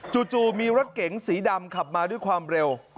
จู่มีรถเก๋งสีดำขับมาด้วยความเร็ว